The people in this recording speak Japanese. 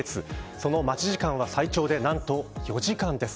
その待ち時間は最長で何と４時間です。